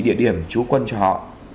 địa điểm trú quân cho họ